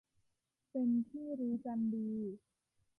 เป็นที่รู้กันดี